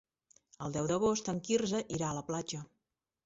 El deu d'agost en Quirze irà a la platja.